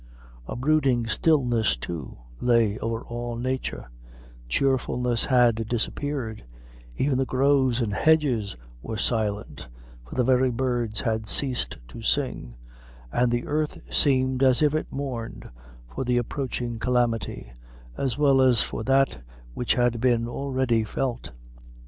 A brooding stillness, too, lay over all nature; cheerfulness had disappeared, even the groves and hedges were silent, for the very birds had ceased to sing, and the earth seemed as if it mourned for the approaching calamity, as well as for that which had been already felt.